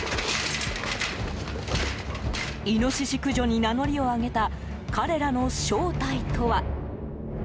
イノシシ駆除に名乗りを上げた彼らの正体とは。